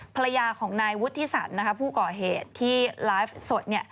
ภรรยาของนายวุฒิสันผู้ก่อเหตุที่ไลฟ์สด